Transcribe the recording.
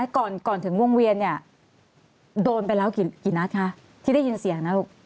ก่อนถึงวงเวียนเนี่ยโดนไปแล้วกี่นัดคะที่ได้ยินเสียงนะลูก